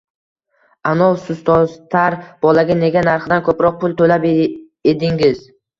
-Anov sutsotar bolaga nega narxidan ko’proq pul to’lab edingiz?